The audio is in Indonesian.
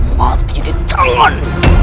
mati di tangan